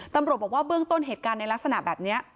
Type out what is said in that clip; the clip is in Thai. ตำรวจบอกว่าเบื้องต้นเหตุการณ์ในลักษณะแบบนี้